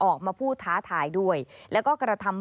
ออกมาพูดท้าทายด้วยแล้วก็กระทำ